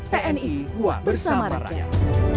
tni kuat bersama rakyat